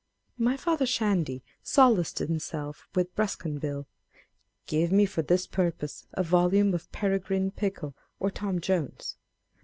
My father Shandy solaced himself with Bruscambille. Give me for this purpose a volume of Peregrine PicJcle or Tom Jones.